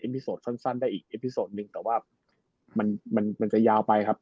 เอ็มพิโสต์สั้นสั้นได้อีกเอ็มพิโสต์หนึ่งแต่ว่ามันมันมันจะยาวไปครับ